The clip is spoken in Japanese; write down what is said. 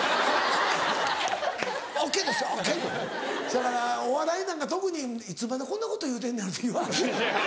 せやからお笑いなんか特にいつまでこんなこと言うてんねやって言われるやろ？